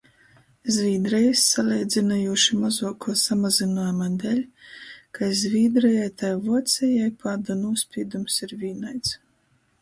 Zvīdrejis saleidzynojūši mozuokuo samazynuojuma deļ kai Zvīdrejai, tai Vuocejai pāda nūspīdums ir vīnaids.